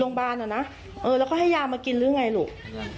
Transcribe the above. โรงพยาบาลเหรอนะแล้วก็ให้ยามากินหรือไงลูก